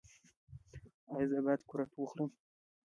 ایا زه باید قروت وخورم؟